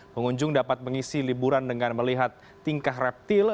pengunjung dapat mengisi liburan dengan melihat tingkah reptil